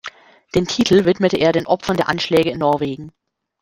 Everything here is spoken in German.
Den Titel widmete er den Opfern der Anschläge in Norwegen.